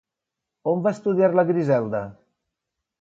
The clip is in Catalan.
On va estudiar la Griselda?